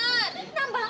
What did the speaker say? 何番？